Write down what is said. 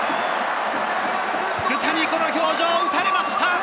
福谷、この表情、打たれました。